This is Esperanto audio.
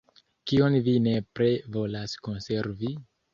Kion vi nepre volas konservi?